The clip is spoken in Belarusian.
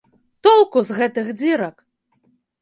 Толку з гэтых дзірак!